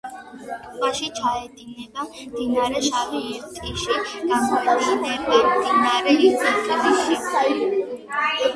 ტბაში ჩაედინება მდინარე შავი ირტიში, გამოედინება მდინარე ირტიში.